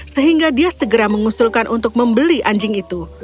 sehingga dia segera mengusulkan untuk membeli anjing itu